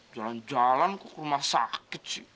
jalan jalan ke rumah sakit sih